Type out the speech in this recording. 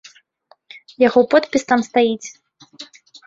Яго подпіс там стаіць.